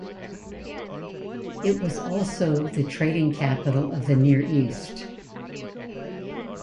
It was also the trading capital of the Near East.